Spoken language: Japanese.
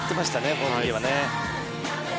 この時はね。